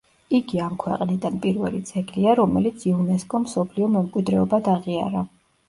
იგი ამ ქვეყნიდან პირველი ძეგლია, რომელიც იუნესკომ მსოფლიო მემკვიდრეობად აღიარა.